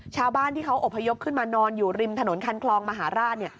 ชาวบ้านที่เขาอบพยพขึ้นมานอนอยู่ริมถนนคันคลองมหาราช